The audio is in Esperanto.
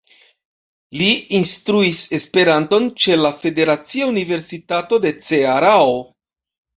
Li instruis Esperanton ĉe la Federacia Universitato de Cearao.